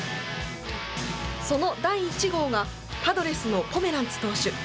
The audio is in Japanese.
その第１号が、パドレスのポメランツ投手。